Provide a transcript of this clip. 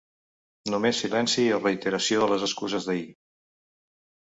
Només silenci o reiteració de les excuses d’ahir.